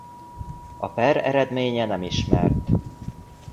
A per eredménye nem ismert.